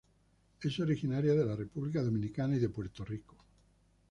Es originaria de República Dominicana y Puerto Rico.